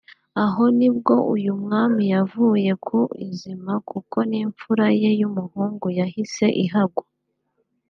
aho ni bwo uyu mwami yavuye ku izima kuko n’imfura ye y’umuhungu yahise ihagwa